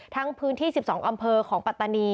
ทั้งพื้นที่๑๒อำเภอของปัตตานี